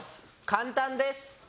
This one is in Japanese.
簡単です。